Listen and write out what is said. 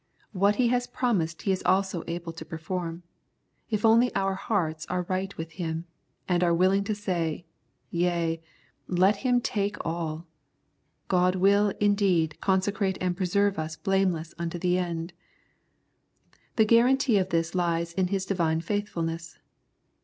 What He has pro mised He is also able to perform. If only our hearts are right with Him, and are willing to say, " Yea, let Him take all," God will, indeed, consecrate and preserve us blameless unto the end. The guarantee of this lies in His Divine faithfulness.